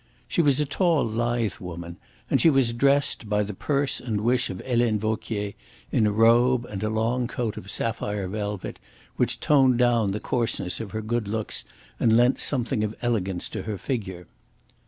She was a tall, lithe woman, and she was dressed, by the purse and wish of Helene Vauquier, in a robe and a long coat of sapphire velvet, which toned down the coarseness of her good looks and lent something of elegance to her figure.